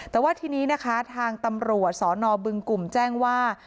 แต่ว่าทีนี้นะคะทางตำรวจสนบึงกลุ่มแจ้งว่า